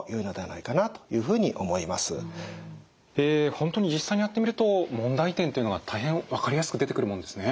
本当に実際にやってみると問題点というのが大変分かりやすく出てくるもんですね。